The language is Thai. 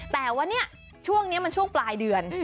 แต่ว่าเนี่ยช่วงนี้มันช่วงปลายเดือน